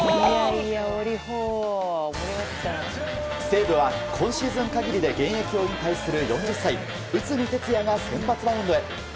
西武は今シーズン限りで現役を引退する４０歳内海哲也が先発マウンドへ。